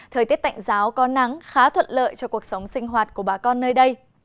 thời tiết tạnh giáo có nắng khá thuận lợi cho cuộc sống sinh hoạt của bà con nơi đây